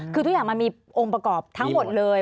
คือทุกอย่างมันมีองค์ประกอบทั้งหมดเลย